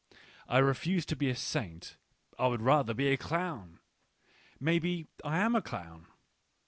I refuse to be a saint ; I would rather be a clown. Maybe I am a clown.